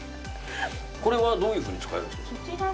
これはどういうふうに使えるんですか？